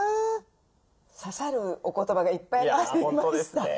刺さるお言葉がいっぱいありましたね。